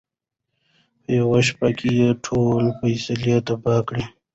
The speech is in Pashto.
په یوه شپه کې یې ټول فصلونه تباه کړل.